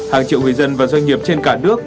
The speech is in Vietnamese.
hàng triệu người dân và doanh nghiệp trên cả nước